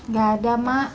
gak ada mak